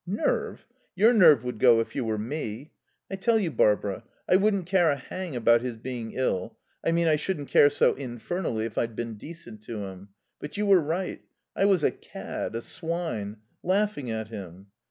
"Nerve? Your nerve would go if you were me. I tell you, Barbara, I wouldn't care a hang about his being ill I mean I shouldn't care so infernally if I'd been decent to him. ... But you were right I was a cad, a swine. Laughing at him."